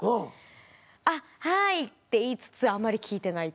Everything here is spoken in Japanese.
あっはいって言いつつあんまり聞いてないという。